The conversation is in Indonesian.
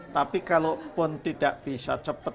tapi kalau pun tidak bisa cepat